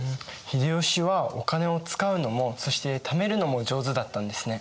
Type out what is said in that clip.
秀吉はお金を使うのもそしてためるのも上手だったんですね。